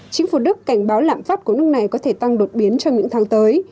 chính phủ đức cảnh báo lạm phát của nước này có thể tăng đột biến trong những tháng tới